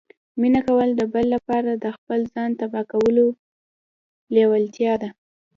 مینه کول د بل لپاره د خپل ځان تباه کولو لیوالتیا ده